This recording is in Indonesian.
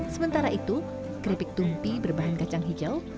sementara itu keripik tumpi berbahan kacang hijau